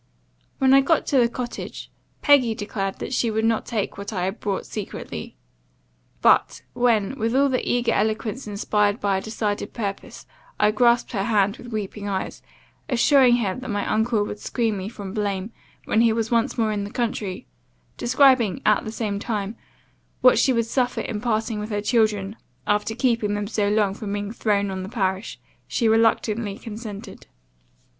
"When I got to the cottage, Peggy declared that she would not take what I had brought secretly; but, when, with all the eager eloquence inspired by a decided purpose, I grasped her hand with weeping eyes, assuring her that my uncle would screen me from blame, when he was once more in the country, describing, at the same time, what she would suffer in parting with her children, after keeping them so long from being thrown on the parish, she reluctantly consented.